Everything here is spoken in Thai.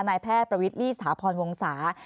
นายแพทย์ประวิทลี่สถาพรวงศา